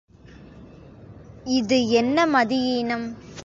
இது என்ன மதியீனம்!